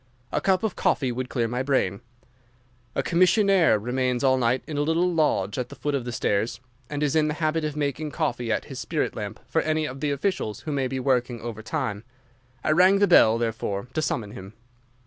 A cup of coffee would clear my brain. A commissionnaire remains all night in a little lodge at the foot of the stairs, and is in the habit of making coffee at his spirit lamp for any of the officials who may be working over time. I rang the bell, therefore, to summon him.